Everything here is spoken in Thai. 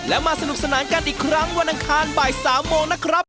และมาสนุกสนานกันอีกครั้งวันอังคารบ่าย๓โมงนะครับ